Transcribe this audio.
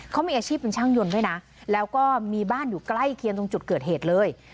เขามีอาชีพเป็นช่างยนต์ด้วยนะแล้วก็มีบ้านอยู่ใกล้เคียงตรงจุดเกิดเหตุเลย